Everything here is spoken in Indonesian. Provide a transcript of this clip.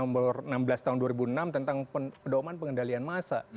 pada tahun dua ribu enam tentang pendauman pengendalian masa